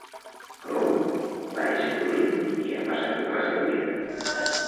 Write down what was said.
Crowe va néixer a Dublín i hi ha passat tota la seva vida.